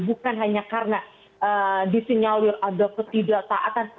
bukan hanya karena disinyalir ada ketidaktaatan